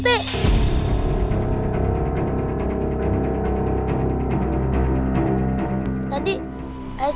tadi ayah saya dicekik sama hantu budeg beneran itu